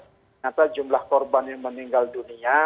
ternyata jumlah korban yang meninggal dunia